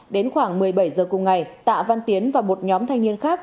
đến khoảng một mươi bảy h cùng ngày tạ văn tiến và một nhóm thanh niên khác